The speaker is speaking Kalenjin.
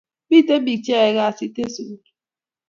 Miten pik che yae kasit en sukul